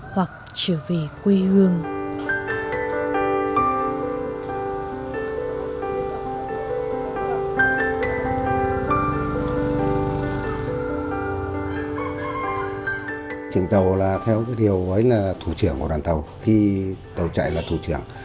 hoặc trở về quê hương